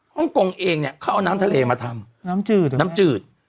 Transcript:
ฮงกงเองเนี่ยเขาเอาน้ำทะเลมาทำน้ำจืดเหรอน้ำจืด